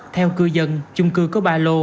theo cư dân trung cư có ba lô